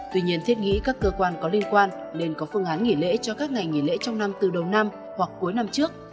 tuy nhiên thiết nghĩ các cơ quan có liên quan nên có phương án nghỉ lễ cho các ngày nghỉ lễ trong năm từ đầu năm hoặc cuối năm trước